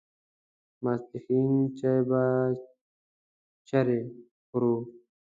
ماپښین چای به چیرې خورو.